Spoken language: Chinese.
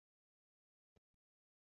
它在有机化学中用作还原剂。